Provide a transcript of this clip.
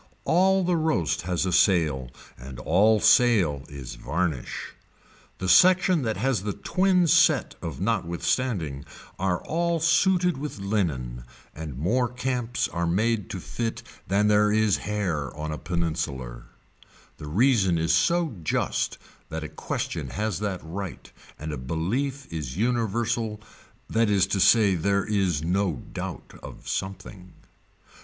All the roast has a sale and all sale is varnish. The section that has the twin set of notwithstanding are all suited with the linen, and more camps are made to fit than there is hair on a peninsular. The reason is so just that a question has that right and a belief is universal that is to say there is no doubt of something.